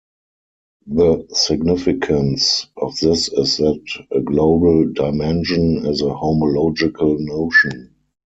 The significance of this is that a global dimension is a homological notion.